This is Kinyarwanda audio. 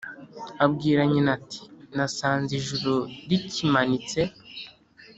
abwira nyina ati:”nasanze ijuru rikimanitse